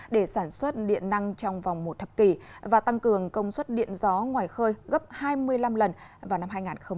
để sản xuất điện năng trong vòng một thập kỷ và tăng cường công suất điện gió ngoài khơi gấp hai mươi năm lần vào năm hai nghìn hai mươi